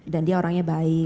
dan dia orangnya baik